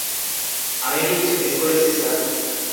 আমি কি কিছু মিস করেছি, স্যার?